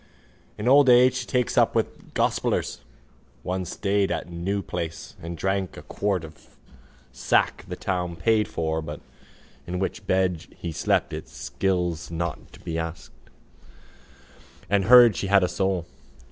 In old age she takes up with gospellers (one stayed with her at New Place and drank a quart of sack the town council paid for but in which bed he slept it skills not to ask) and heard she had a soul.